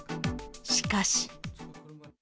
しかし。